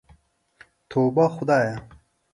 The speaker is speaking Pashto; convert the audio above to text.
توبه خدايه.